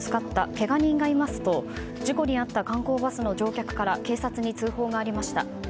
けが人がいますと事故に遭った観光バスの乗客から警察に通報がありました。